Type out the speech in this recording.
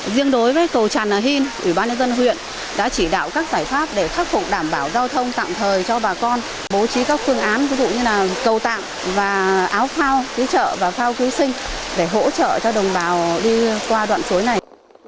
riêng đối với cầu tràn a hìn ủy ban nhân dân huyện đã chỉ đạo các giải pháp để khắc phục đảm bảo giao thông tạm thời cho bà con bố trí các phương án ví dụ như là cầu tạm và áo phao cứu trợ và phao cứu sinh để hỗ trợ cho đồng bào đi qua đoạn suối này